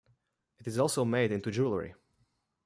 It is also made into jewelry.